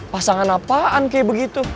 pasangan apaan kayak begitu